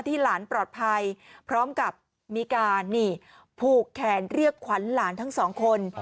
หลานปลอดภัยพร้อมกับมีการนี่ผูกแขนเรียกขวัญหลานทั้งสองคน